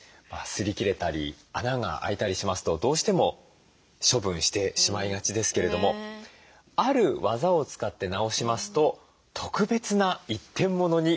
すり切れたり穴が開いたりしますとどうしても処分してしまいがちですけれどもある技を使って直しますと特別な一点物に変わるんだそうです。